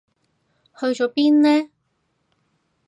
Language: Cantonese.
去咗邊呢？